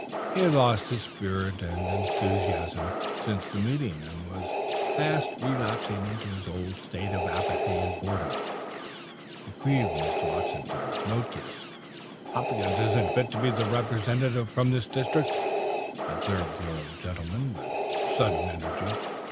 He had lost his spirit and enthusiasm since the meeting, and was fast relapsing into his old state of apathy and boredom. It grieved Mr. Watson to note this. "Hopkins isn't fit to be the Representative for this district," observed the old gentleman, with sudden energy.